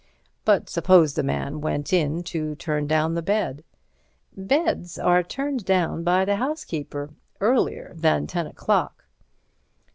"But suppose the man went in to turn down the bed?" "Beds are turned down by the housekeeper, earlier than ten o'clock."